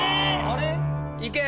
あれ？